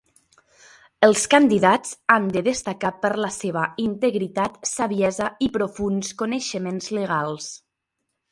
Els candidats han de destacar per la seva integritat, saviesa i profunds coneixements legals.